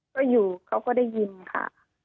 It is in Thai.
ก็อยู่เขาก็ได้ยินค่ะ